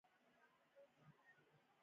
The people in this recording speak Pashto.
مګر د زړه د درد او زخم علاج نشته په پښتو ژبه.